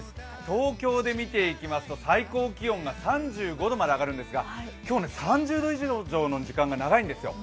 東京で見ていきますと最高気温が３５度まで上がるんですが、今日ね、３０度以上の時間が長いんですよ。